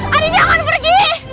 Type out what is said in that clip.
adi jangan pergi